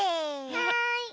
はい。